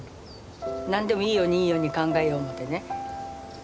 何でもいいようにいいように考えよう思てね。